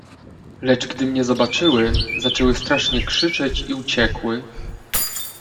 "Lecz gdy mnie zobaczyły, zaczęły strasznie krzyczeć i uciekły."